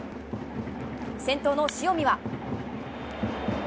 先頭の塩見は。